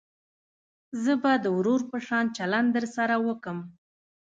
زه به د ورور په شان چلند درسره وکم.